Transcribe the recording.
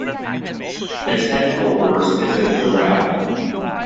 Its headquarters is in Doral.